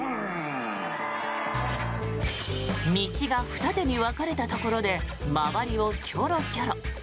道が二手に分かれたところで周りをキョロキョロ。